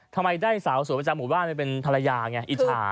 ทำไมได้สาวสวยประจำหมู่บ้านไปเป็นภรรยาไงอิจฉา